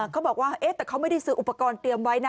เขาบอกว่าแต่เขาไม่ได้ซื้ออุปกรณ์เตรียมไว้นะ